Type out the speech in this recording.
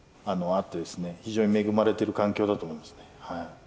非常に恵まれてる環境だと思いますね。